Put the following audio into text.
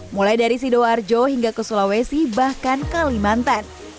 mulai dari sidoarjo hingga ke sulawesi bahkan kalimantan